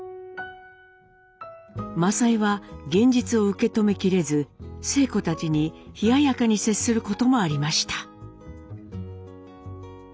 政枝は現実を受け止めきれず晴子たちに冷ややかに接することもありました。